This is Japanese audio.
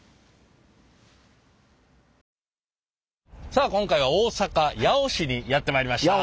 さあ今回は大阪・八尾市にやって参りました。